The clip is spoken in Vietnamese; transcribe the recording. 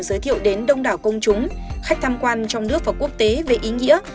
giới thiệu đến đông đảo công chúng khách tham quan trong nước và quốc tế về ý nghĩa